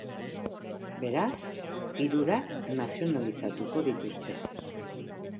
Beraz, hirurak nazionalizatuko dituzte.